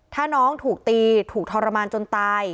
ถ้าน้องถูกตีถูกทรมานจนตาย